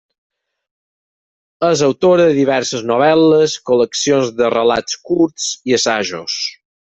És autora de diverses novel·les, col·leccions de relats curts i assajos.